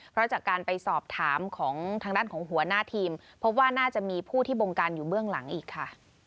เพราะจากการไปสอบถามของทางด้านของหัวหน้าทีมพบว่าน่าจะมีผู้ที่บงการอยู่เบื้องหลังอีกค่ะ